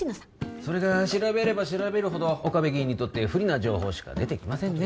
それが調べれば調べるほど岡部議員にとって不利な情報しか出てきませんね